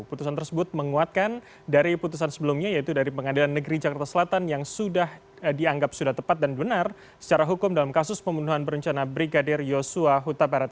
putusan tersebut menguatkan dari putusan sebelumnya yaitu dari pengadilan negeri jakarta selatan yang sudah dianggap sudah tepat dan benar secara hukum dalam kasus pembunuhan berencana brigadir yosua huta barat